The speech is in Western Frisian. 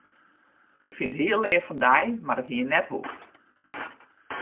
Ik fyn it hiel leaf fan dy, mar it hie net hoegd.